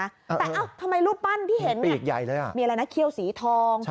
แต่ทำไมรูปปั้นที่เห็นมีอะไรนะเขียวสีทอง